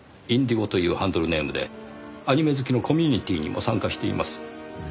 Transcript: ＩＮＤＩＧＯというハンドルネームでアニメ好きのコミュニティーにも参加しています。